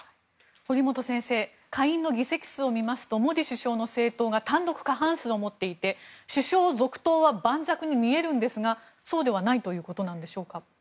堀本先生下院の議席数を見ますとモディ首相の政党が単独過半数を持っていて首相続投は盤石に見えるんですがそうではないということなんでしょうか。